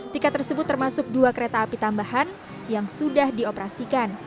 tiket tersebut termasuk dua kereta api tambahan yang sudah dioperasikan